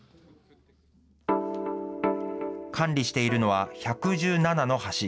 管理しているのは、１１７の橋。